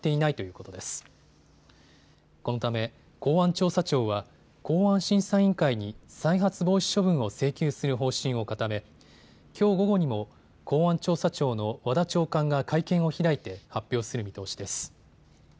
このため公安調査庁は公安審査委員会に再発防止処分を請求する方針を固めきょう午後にも公安調査庁の和田長官が会見を開いて発表する見通しです。